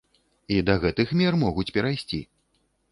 І да гэтых мер могуць перайсці.